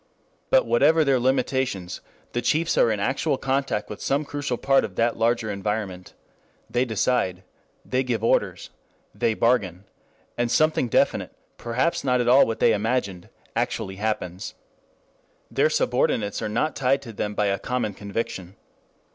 But whatever their limitations, the chiefs are in actual contact with some crucial part of that larger environment. They decide. They give orders. They bargain. And something definite, perhaps not at all what they imagined, actually happens. Their subordinates are not tied to them by a common conviction.